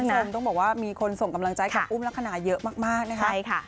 คุณผู้ชมต้องบอกว่ามีคนส่งกำลังใจกับอุ้มลักษณะเยอะมากนะคะ